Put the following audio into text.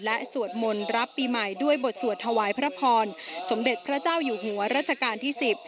และสวดมนต์รับปีใหม่ด้วยบทสวดถวายพระพรสมเด็จพระเจ้าอยู่หัวรัชกาลที่๑๐